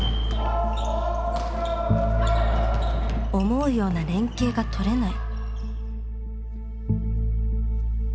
思うような連係が取れない。